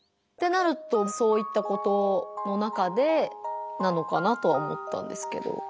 ってなるとそういったことの中でなのかなとは思ったんですけど。